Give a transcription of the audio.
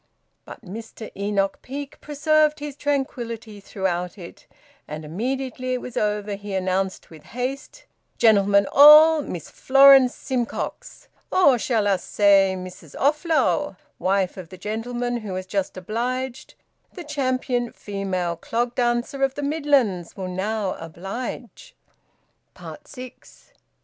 But Mr Enoch Peake preserved his tranquillity throughout it, and immediately it was over he announced with haste "Gentlemen all, Miss Florence Simcox or shall us say Mrs Offlow, wife of the gentleman who has just obliged the champion female clog dancer of the Midlands, will now oblige." SIX.